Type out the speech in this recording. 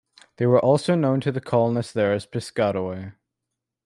They were also known to the colonists there as the Piscataway.